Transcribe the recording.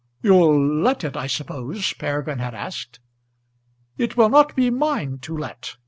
"You'll let it I suppose," Peregrine had asked. "It will not be mine to let.